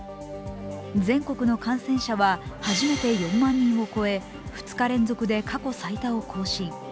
全国の感染者は初めて４万人を超え２日連続で過去最多を更新。